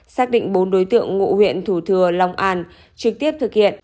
xác định bốn đối tượng ngụ huyện thủ thừa long an trực tiếp thực hiện